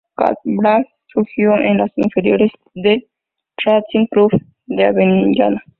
Cabral surgió en las inferiores del Racing Club de Avellaneda.